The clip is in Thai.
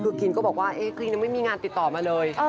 คือคินก็บอกว่าคลินยังไม่มีงานติดต่อมาเลย